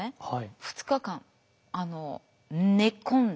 ２日間寝込んだ。